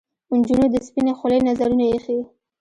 نجونو د سپنې خولې نذرونه ایښي